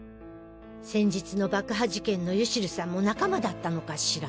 先日の爆破事件のユシルさんも仲間だったのかしら。